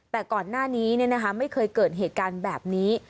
แต่ก่อนหน้านี้ไม่เคยเกิดเหตุการณ์แบบนี้